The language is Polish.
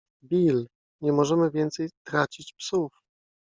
Bill. - Nie możemy więcej tracić psów.